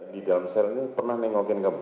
di dalam sel ini pernah nengokin kamu